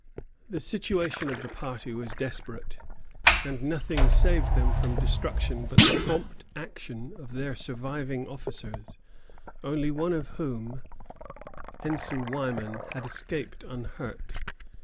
The situation of the party was desperate, and nothing saved them from destruction but the prompt action of their surviving officers, only one of whom, Ensign Wyman, had escaped unhurt.